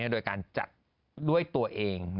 โดยการจัดด้วยตัวเอง